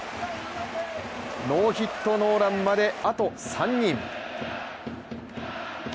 ノーヒットノーランまであと３人。